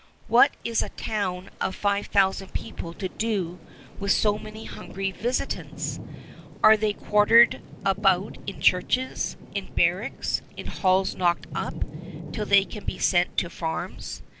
What is a town of five thousand people to do with so many hungry visitants? They are quartered about in churches, in barracks, in halls knocked up, till they can be sent to farms.